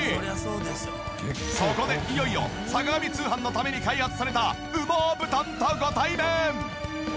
そこでいよいよ『坂上通販』のために開発された羽毛布団とご対面！